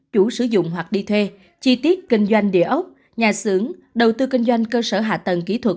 chủ sử dụng hoặc đi thuê chi tiết kinh doanh địa ốc nhà xưởng đầu tư kinh doanh cơ sở hạ tầng kỹ thuật